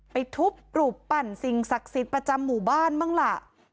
ไปทุบรูปปั่นสิ่งศักดิ์สิทธิ์ประจำหมู่บ้านบ้างล่ะ